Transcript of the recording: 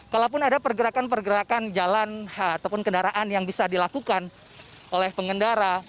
kalaupun ada pergerakan pergerakan jalan ataupun kendaraan yang bisa dilakukan oleh pengendara